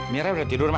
mira udah tidur ma